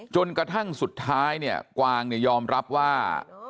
จนกระทั่งสุดท้ายเนี่ยกวางเนี่ยยอมรับว่า